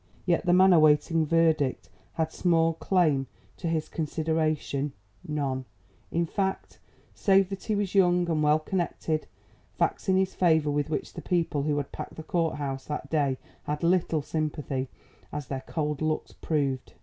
Yet the man awaiting verdict had small claim to his consideration none, in fact, save that he was young and well connected; facts in his favour with which the people who packed the courthouse that day had little sympathy, as their cold looks proved.